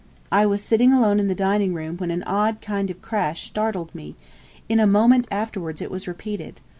I was sitting alone in the dining room when an odd kind of crash startled me in a moment afterwards it was repeated.